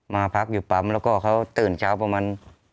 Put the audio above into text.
มาพักอยู่ปั๊มแล้วก็เขาตื่นเช้าประมาณ